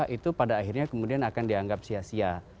itu pada akhirnya kemudian akan dianggap sia sia